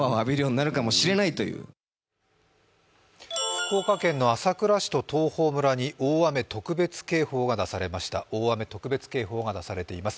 福岡県の朝倉市と東峰村に大雨特別警報が出されています。